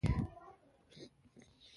کویلیو د برازیل د ادبي اکاډمۍ غړی دی.